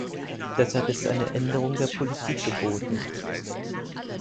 Deshalb ist eine Änderung der Politik geboten.